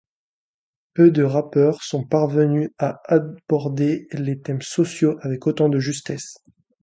Peu de rappeurs sont parvenus à aborder les thèmes sociaux avec autant de justesse.